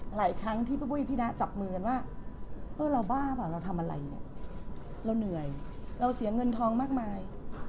หลายครั้งที่พี่ปุ้ยพี่นะจับมือกันว่าเออเราบ้าเปล่าเราทำอะไรเนี่ยเราเหนื่อยเราเสียเงินทองมากมาย